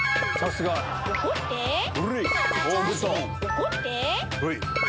怒って！